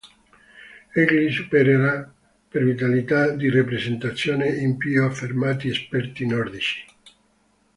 Egli supererà per vitalità di rappresentazione i più affermati esperti nordici.